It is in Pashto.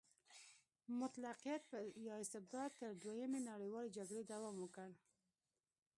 مطلقیت یا استبداد تر دویمې نړیوالې جګړې دوام وکړ.